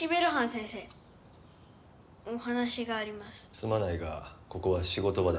すまないがここは仕事場だ。